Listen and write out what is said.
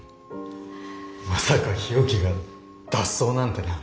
まさか日置が脱走なんてな。